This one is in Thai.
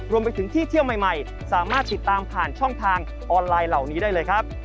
รวมไปถึงที่เที่ยวใหม่สามารถติดตามผ่านช่องทางออนไลน์เหล่านี้ได้เลยครับ